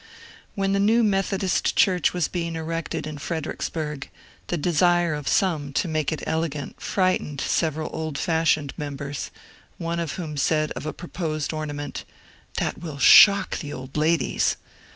When the new Methodist church was being erected in Fredericksburg, the desire of some to make it elegant fright ened several old fashioned members, one of whom said of a proposed ornament, " That will shock the old ladies."